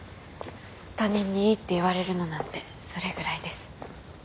他人にいいって言われるのなんてそれぐらいです。